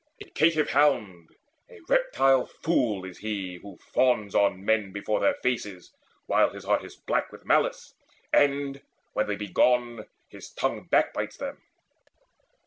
A caitiff hound, A reptile fool, is he who fawns on men Before their faces, while his heart is black With malice, and, when they be gone, his tongue Backbites them.